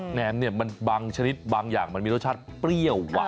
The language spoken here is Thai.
แนมเนี่ยมันบางชนิดบางอย่างมันมีรสชาติเปรี้ยวหวาน